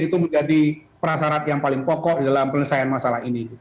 itu menjadi prasarat yang paling pokok dalam penyelesaian masalah ini